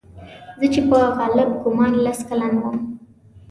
زه چې په غالب ګومان لس کلن وم.